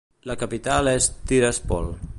La capital és Tiraspol.